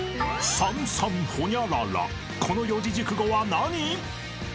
［この四字熟語は何？］